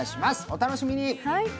お楽しみに。